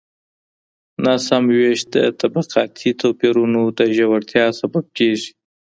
ناسم وېش د طبقاتي توپیرونو د ژورتیا سبب کیږي.